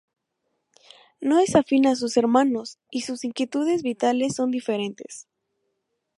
No es afín a sus hermanos y sus inquietudes vitales son diferentes.